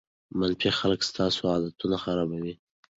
منفي خلک ستاسو عادتونه خرابوي.